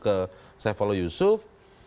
ke saifullah yusuf